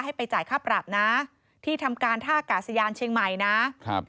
ไปจ่ายค่าปรับนะที่ทำการท่ากาศยานเชียงใหม่นะครับ